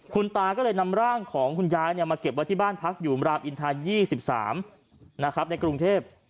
คุณตาก็เลยนำร่างของคุณยายมาเก็บไว้ที่บ้านพักอยู่รามอินทา๒๓ในกรุงเทพ